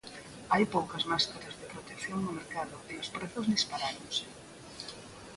Hai poucas máscaras de protección no mercado e os prezos disparáronse.